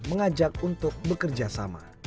mengajak untuk bekerjasama